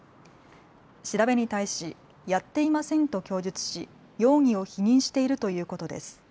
調べに対し、やっていませんと供述し容疑を否認しているということです。